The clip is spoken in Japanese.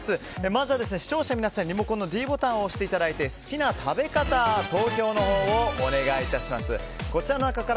まずは、視聴者の皆さんリモコンのｄボタンを押して好きな食べ方投票のほうをお願い致します。